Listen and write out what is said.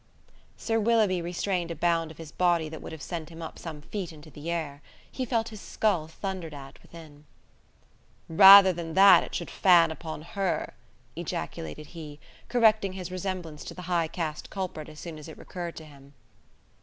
'" Sir Willoughby restrained a bound of his body that would have sent him up some feet into the air. He felt his skull thundered at within. "Rather than that it should fan upon her!" ejaculated he, correcting his resemblance to the high caste culprit as soon as it recurred to him.